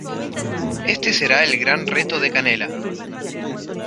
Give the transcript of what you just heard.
Este será el gran reto de Canela.